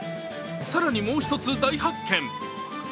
更にもう一つ大発見。